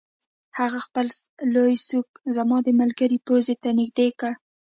هغه خپل لوی سوک زما د ملګري پوزې ته نږدې کړ